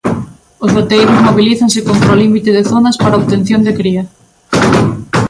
Os bateeiros mobilízanse contra o limite de zonas para a obtención de cría.